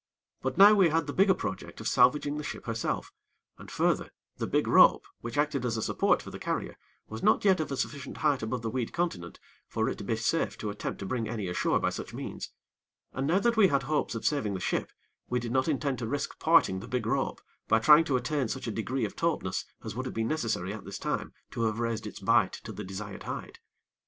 But now we had the bigger project of salvaging the ship herself, and, further, the big rope, which acted as support for the carrier, was not yet of a sufficient height above the weed continent for it to be safe to attempt to bring any ashore by such means; and now that we had hopes of saving the ship, we did not intend to risk parting the big rope, by trying to attain such a degree of tautness as would have been necessary at this time to have raised its bight to the desired height.